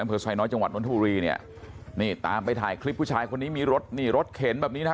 อำเภอไซน้อยจังหวัดนทบุรีเนี่ยนี่ตามไปถ่ายคลิปผู้ชายคนนี้มีรถนี่รถเข็นแบบนี้นะฮะ